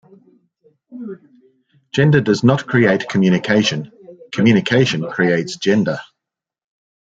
Gender does not create communication, communication creates gender.